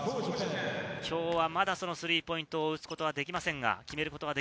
今日はまだ、そのスリーポイントを打つことはできません。